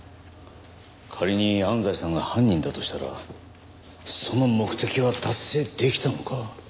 仮に安西さんが犯人だとしたらその目的は達成できたのか？